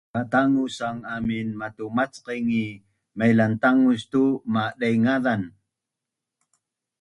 katangusang amin matumacqeng ngi mailantangus tu madengazan